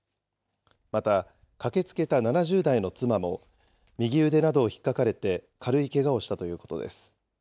また、駆けつけた７０代の妻も右腕などをひっかかれて軽いけがをしたということです。